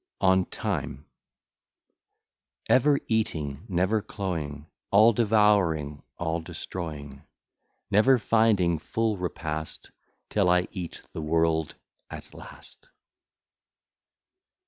ON TIME Ever eating, never cloying, All devouring, all destroying, Never finding full repast, Till I eat the world at last.